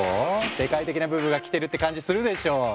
世界的なブームが来てるって感じするでしょ？